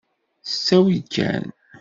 S ttawil kan.